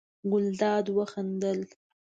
ګلداد وخندل.